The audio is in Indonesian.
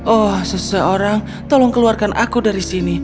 oh seseorang tolong keluarkan aku dari sini